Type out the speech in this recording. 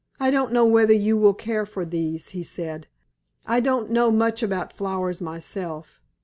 "I don't know whether you will care for these," he said; "I don't know much about flowers myself.